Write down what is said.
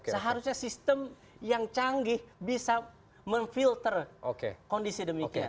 seharusnya sistem yang canggih bisa memfilter kondisi demikian